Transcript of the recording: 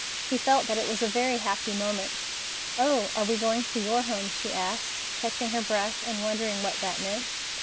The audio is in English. He felt that it was a very happy moment. "Oh, are we going to your home?" she asked, catching her breath and wondering what that meant.